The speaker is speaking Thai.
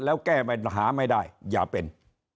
แล้วแก้ปัญหาไม่ได้อย่าเป็น